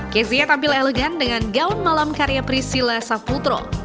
kezia tampil elegan dengan gaun malam karya priscila saputro